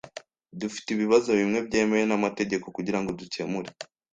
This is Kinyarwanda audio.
Dufite ibibazo bimwe byemewe n'amategeko kugirango dukemure.